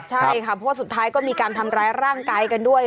ใช่ค่ะเพราะว่าสุดท้ายก็มีการทำร้ายร่างกายกันด้วย